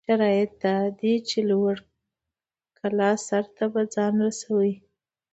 شرط دا دى، چې لوړې کلا سر ته به ځان رسوٸ.